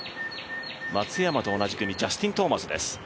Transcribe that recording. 松山と同じ組、ジャスティン・トーマスです。